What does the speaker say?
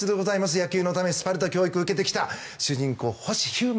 野球のためにスパルタ教育を受けてきた主人公、星飛雄馬